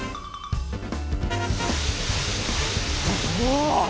お！